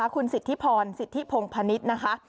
คุณสิทธิพรสิทธิโพงพะนิด